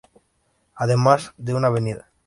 Además, de una avenida.